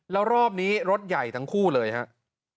แล้วรอบนี้รถใหญ่ทั้งคู่เลยครับ